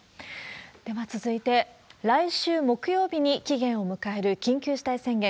では続いて、来週木曜日に期限を迎える緊急事態宣言。